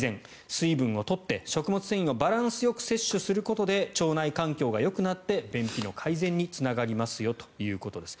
水分を取って食物繊維をバランスよく摂取することで腸内環境がよくなって便秘の改善につながるということです。